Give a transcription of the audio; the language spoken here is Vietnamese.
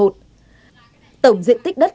tổng diện tích đất